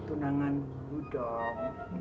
tunangan dulu dong